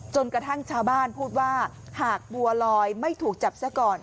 จนกระทั่งชาวบ้านพูดว่าหากบัวลอยไม่ถูกจับซะก่อน